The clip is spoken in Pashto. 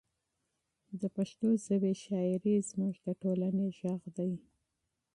د پښتو ژبې شاعري زموږ د ټولنې غږ دی.